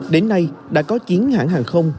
đến nay đã có chiến hãng hàng không